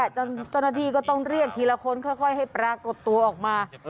เจ้าหน้าที่ก็ต้องเรียกทีละคนค่อยให้ปรากฏตัวออกมา